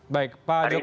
baik pak joko